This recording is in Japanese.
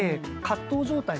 葛藤状態。